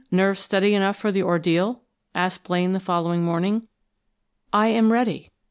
Nerves steady enough for the ordeal?" asked Blaine the following morning. "I am ready."